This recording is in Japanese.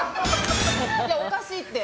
いや、おかしいって。